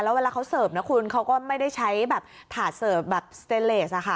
แล้วเวลาเขาเสิร์ฟนะคุณเขาก็ไม่ได้ใช้แบบถาดเสิร์ฟแบบสเตเลสค่ะ